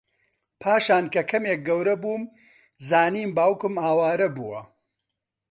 پاشان کە کەمێک گەورەبووم زانیم باوکم ئاوارە بووە